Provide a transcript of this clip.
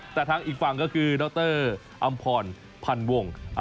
แต่ทางอีกฝั่งก็คือดรอำพรพันวง